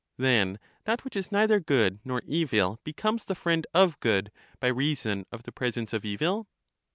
Then that which is neither good nor evil becomes the friend of good, by reason of the presence of evil?